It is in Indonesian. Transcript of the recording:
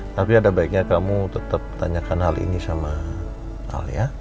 tapi ada baiknya kamu tetap tanyakan hal ini sama alia